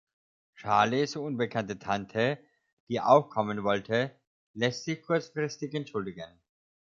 Charleys unbekannte Tante, die auch kommen wollte, lässt sich kurzfristig entschuldigen.